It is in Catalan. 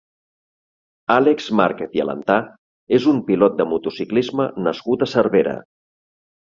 Àlex Márquez i Alentà és un pilot de motociclisme nascut a Cervera.